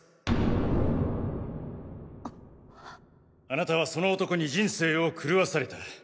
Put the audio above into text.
あなたはその男に人生を狂わされた。